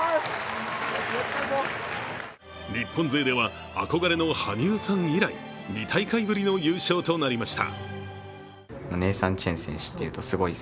日本勢では憧れの羽生さん以来、２大会ぶりの優勝となりました。